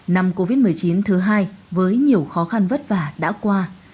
năm covid một mươi chín thứ hai với nhiều khó khăn vất vả đã qua